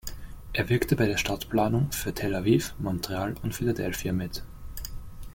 Er wirkte bei der Stadtplanung für Tel-Aviv, Montreal und Philadelphia mit.